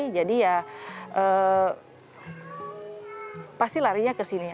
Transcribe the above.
jadi ya pasti larinya ke sini